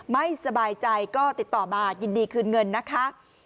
ไม่สบายใจก็ติดต่อมายินดีคืนเงินนะคะ